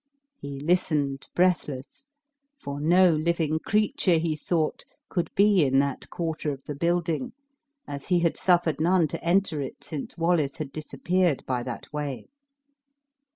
He listened breathless; for no living creature, he thought, could be in that quarter of the building, as he had suffered none to enter it since Wallace had disappeared by that way.